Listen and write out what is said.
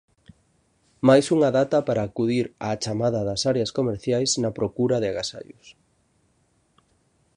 Máis unha data para acudir á chamada das áreas comerciais na procura de agasallos.